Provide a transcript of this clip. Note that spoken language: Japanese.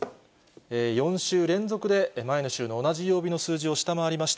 ４週連続で前の週の同じ曜日の数字を下回りました。